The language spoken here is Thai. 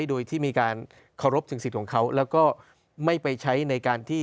โดยที่มีการเคารพสิ่งสิทธิ์ของเขาแล้วก็ไม่ไปใช้ในการที่